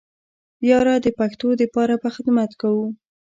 ياره د پښتو د پاره به خدمت کوو.